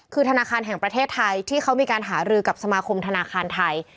คือธนาคารแห่งประเทศไทยที่เขามีการหารือกับสมาคมธนาคารไทย